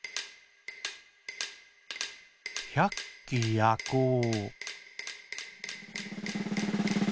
「ひゃっきやこう」。